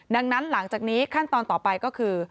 ดังนั้นหลังจากนี้ขั้นตอนต่อไปก็คือ